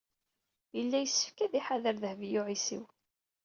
Yella yessefk ad tḥader Dehbiya u Ɛisiw.